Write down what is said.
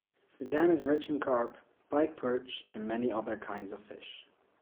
The dam is rich in carp, pikeperch and many other kinds of fish.